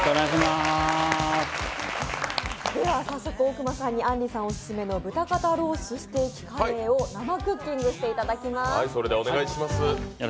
早速、大隈さんにあんりさんオススメの豚肩ロースステーキカレーを生クッキングしていただきます。